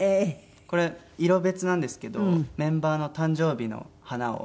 これ色別なんですけどメンバーの誕生日の花を。